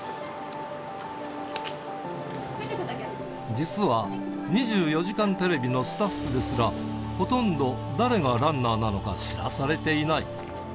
実は、２４時間テレビのスタッフですら、ほとんど誰がランナーなのか知らされていない。